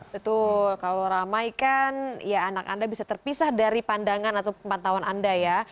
betul kalau ramai kan ya anak anda bisa terpisah dari pandangan atau pantauan anda ya